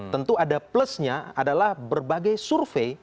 tentu ada plusnya adalah berbagai survei